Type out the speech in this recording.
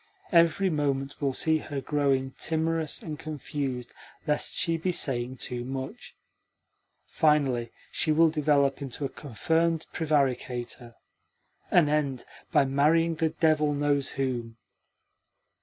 Every moment will see her growing timorous and confused lest she be saying too much. Finally, she will develop into a confirmed prevaricator, and end by marrying the devil knows whom!"